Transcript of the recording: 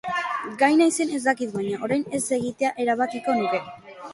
Gai naizen ez dakit, baina, orain, ez egitea erabakiko nuke.